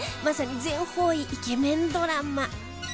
まさに全方位イケメンドラマ！